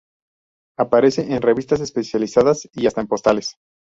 Aparece en revistas especializadas y hasta en postales.